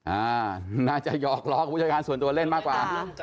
น่าจะหยอกล้อกับผู้จัดการส่วนตัวเล่นมากกว่า